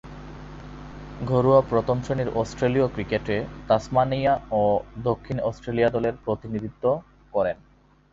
ঘরোয়া প্রথম-শ্রেণীর অস্ট্রেলীয় ক্রিকেটে তাসমানিয়া ও দক্ষিণ অস্ট্রেলিয়া দলের প্রতিনিধিত্ব করেন।